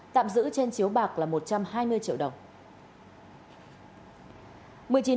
tạm giữ trên chiếu bạc là một trăm hai mươi triệu đồng